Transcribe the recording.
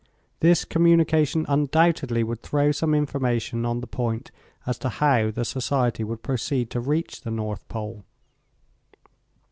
This communication undoubtedly would throw some information on the point as to how the society would proceed to reach the North Pole.